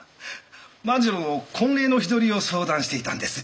万次郎の婚礼の日取りを相談していたんです。